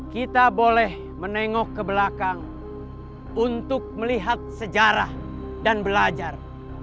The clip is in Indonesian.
kita boleh menengok ke belakang untuk melihat sejarah dan belajar